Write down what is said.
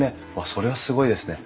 それはすごいですね。